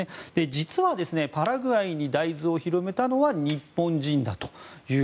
実は、パラグアイに大豆を広めたのは日本人です。